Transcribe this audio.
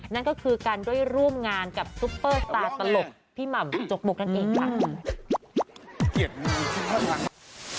นั่นก็คือการด้วยร่วมงานกับซุปเปอร์สตาร์ตลกพี่หม่ำจกบกนั่นเองค่ะ